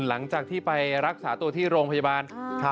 หลังจากที่ไปรักษาตัวที่โรงพยาบาล